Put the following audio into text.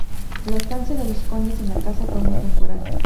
La estancia de los condes en la casa fue muy temporal.